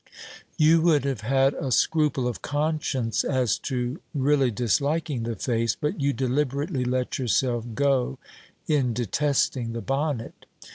You would have had a scruple of conscience as to really disliking the face, but you deliberately let yourself go in detesting the bonnet.